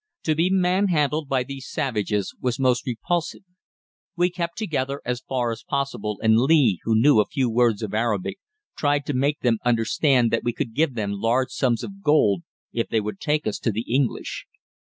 To be man handled by these savages was most repulsive. We kept together as far as possible and Lee, who knew a few words of Arabic, tried to make them understand that we could give them large sums of gold if they would take us to the English.